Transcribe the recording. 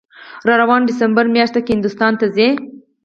راروانه دسامبر میاشت کې هندوستان ته ځي